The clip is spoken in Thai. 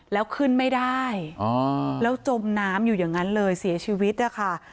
แล้วขึ้นไม่ได้แล้วจมน้ำอยู่อย่างนั้นเลยเสียชีวิตนะคะ